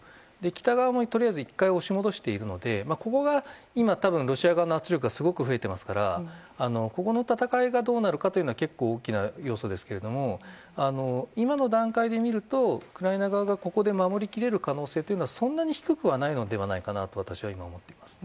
北側も１回押し戻しているので今多分、ロシア側の圧力がすごく増えていますからここの戦いがどうなるかというのは結構大きな要素ですけども今の段階で見るとウクライナ側がここで守り切れる可能性はそんなに低くはないのかなと考えています。